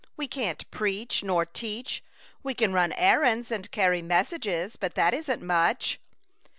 "We can't preach, nor teach. We can run errands and carry messages, but that isn't much."